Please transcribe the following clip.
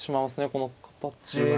この形は。